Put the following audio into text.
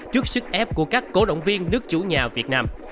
trước sức ép của các cổ động viên nước chủ nhà việt nam